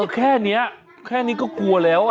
อี๋๋๋๋๋๋๋แค่นี้แค่นี้ก็กลัวแล้วอ่ะ